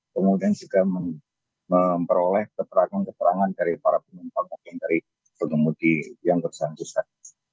kemudian juga memperoleh keterangan keterangan dari para penyembah yang dari penemuti yang bersanjur